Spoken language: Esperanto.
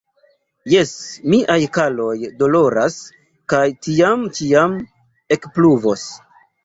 Jes, miaj kaloj doloras, kaj tiam ĉiam ekpluvos.